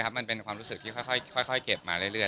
มันเป็นความรู้สึกที่ค่อยเก็บมาเรื่อย